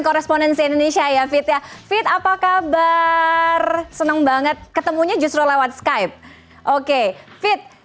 korespondensi indonesia ya fit ya fit apa kabar seneng banget ketemunya justru lewat skype oke fit